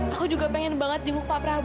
aku juga pengen banget jenguk pak prabowo